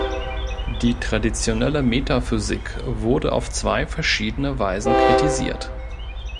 Die traditionelle Metaphysik wurde auf zwei verschiedene Weisen kritisiert.